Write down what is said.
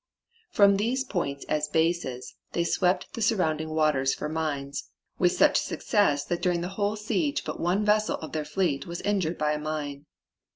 From these points as bases they swept the surrounding waters for mines, with such success that during the whole siege but one vessel of their fleet was injured by a mine.